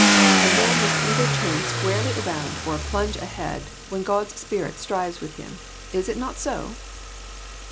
A man must either turn squarely 35O PRECIPITATION. around or plunge ahead, when God's spirit strives with him. Is it not so